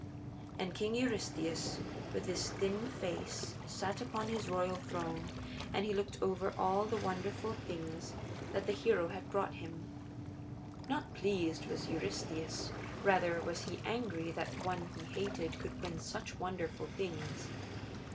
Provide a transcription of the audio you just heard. And King Eurystheus, with his thin white face, sat upon his royal throne and he looked over all the wonderful things that the hero had brought him. Not pleased was Eurystheus; rather was he angry that one he hated could win such wonderful things.